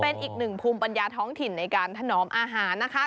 เป็นอีกหนึ่งภูมิปัญญาท้องถิ่นในการถนอมอาหารนะคะ